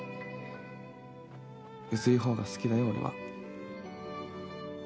薄いほうが好きだよ俺は。